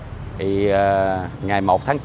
thì ngày một tháng chín hai nghìn hai mươi